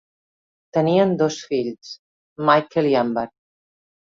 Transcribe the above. Tenien dos fills, Michael i Amber.